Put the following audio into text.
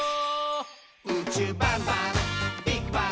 「うちゅうバンバンビッグバン！」